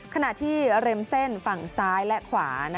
ขณะที่ริมเส้นฝั่งซ้ายและขวา